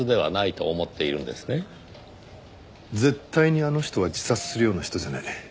絶対にあの人は自殺するような人じゃない。